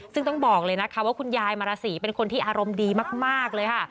ซึ่งต้องบอกเลยนะคะว่าคุณยายมาราศีเป็นคนที่อารมณ์ดีมากเลยค่ะ